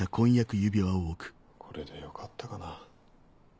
これでよかったかな？